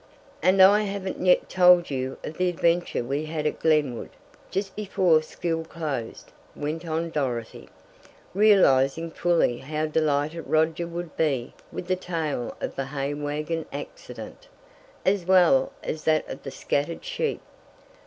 "And I haven't yet told you of the adventure we had at Glenwood, just before school closed," went on Dorothy, realizing fully how delighted Roger would be with the tale of the hay wagon accident, as well as that of the scattered sheep.